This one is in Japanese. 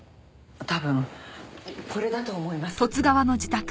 多分これだと思います。